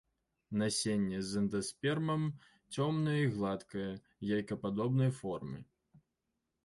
Насенне з эндаспермам, цёмнае і гладкае, яйкападобнай формы.